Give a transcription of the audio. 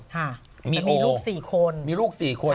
แต่มีลูก๔คนค่ะเพราะทำงานในวงการแค่๒คน